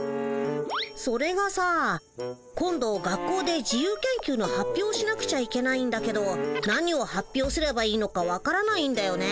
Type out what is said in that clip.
それがさ今度学校で自由研究の発表をしなくちゃいけないんだけど何を発表すればいいのかわからないんだよね。